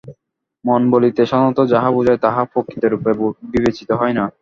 মন বলিতে সাধারণত যাহা বোঝায়, তাহা প্রকৃতিরূপে বিবেচিত হয় না।